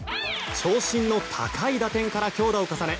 長身の高い打点から強打を重ね